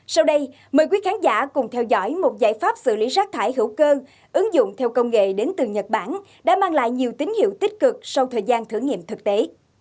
sau đây mời quý khán giả cùng theo dõi một giải pháp xử lý rác thải hữu cơ ứng dụng theo công nghệ đến từ nhật bản đã mang lại nhiều tín hiệu tích cực sau thời gian thử nghiệm thực tế